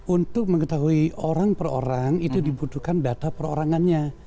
untuk mengetahui orang per orang itu dibutuhkan data perorangannya